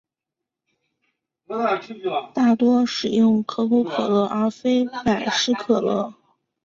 大多使用可口可乐而非百事可乐。